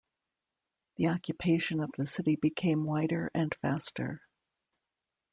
The occupation of the city became wider and faster.